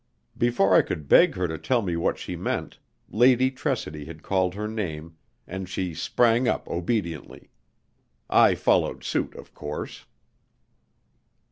Before I could beg her to tell me what she meant, Lady Tressidy had called her name, and she sprang up obediently. I followed suit, of course.